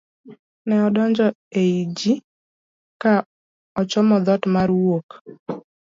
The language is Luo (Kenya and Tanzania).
ne odonjo e i ji ka ochomo dhoot mar wuok